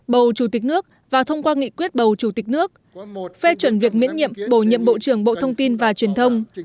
bầu chủ tịch nước và thông qua nghị quyết bầu chủ tịch nước phê chuẩn việc miễn nhiệm bổ nhiệm bộ trưởng bộ thông tin và truyền thông